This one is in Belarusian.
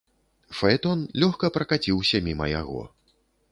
Фаэтон лёгка пракаціўся міма яго.